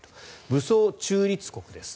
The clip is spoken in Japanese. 武装中立国です。